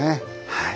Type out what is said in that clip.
はい。